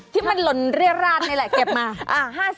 ที่มันล้นรลาดนี่แหละเก็บมา